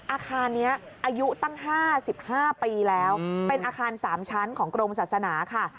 อาคารนี้อายุตั้ง๕๕ปีแล้วเป็นอาคาร๓ชั้นของกรมศาสนาค่ะ